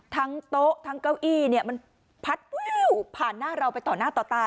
ทั้งโต๊ะทั้งเก้าอี้มันผัดผ่านหน้าเราไปต่อหน้าต่อตา